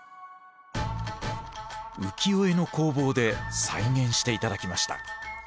浮世絵の工房で再現して頂きました。